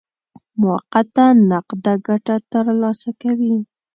موقته نقده ګټه ترلاسه کوي.